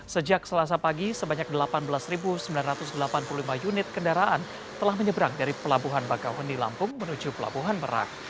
sejak selasa pagi sebanyak delapan belas sembilan ratus delapan puluh lima unit kendaraan telah menyeberang dari pelabuhan bakauheni lampung menuju pelabuhan merak